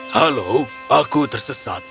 halo aku tersesat